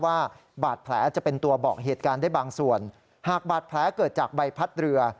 ว่าบาดแผลจะเป็นตัวบอกเหตุการณ์ได้บางส่วนหากบาดแผลเกิดจากใบพัดเรือ